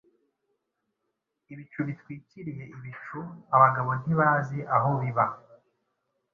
Ibicu bitwikiriye ibicu abagabo ntibazi aho biba